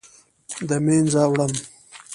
د مینځه وړم